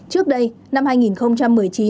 trước đây năm hai nghìn một mươi chín